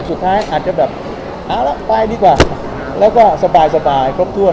อาจจะแบบเอาละไปดีกว่าแล้วก็สบายสบายครบถ้วน